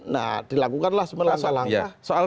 nah dilakukanlah semua langkah langkah soal